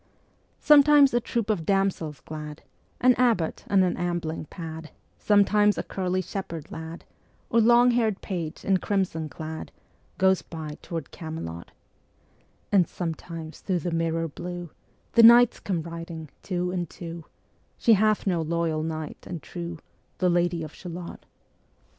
Sometimes a troop of damsels glad, An abbot on an ambling pad, Sometimes a curly shepherd lad, Or long hair'd page in crimson clad, Ā Ā Goes by to tower'd Camelot; Ā And sometimes thro' the mirror blue The knights come riding two and two: She hath no loyal knight and true, Ā Ā The Lady of Shalott.